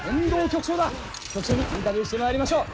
局長にインタビューしてまいりましょう。